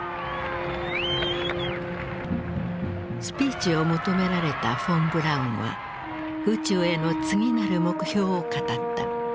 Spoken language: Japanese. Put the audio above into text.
スピーチを求められたフォン・ブラウンは宇宙への次なる目標を語った。